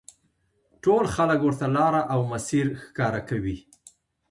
ټول خلک ورته لاره او مسیر ښکاره کوي.